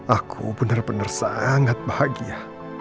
aku benar benar sangat bahagia